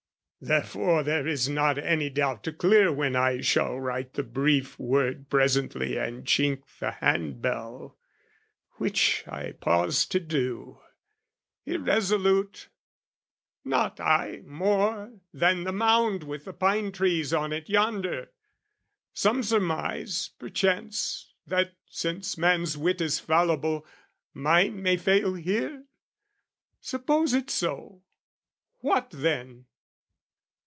Therefore there is not any doubt to clear When I shall write the brief word presently And chink the hand bell, which I pause to do. Irresolute? Not I more than the mound With the pine trees on it yonder! Some surmise, Perchance, that since man's wit is fallible, Mine may fail here? Suppose it so, what then?